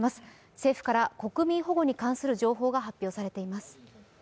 政府から国民保護に関する情報が発表されています。